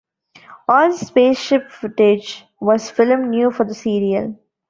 All spaceship footage was filmed new for the serial.